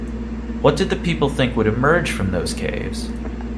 What did the people think would emerge from those caves?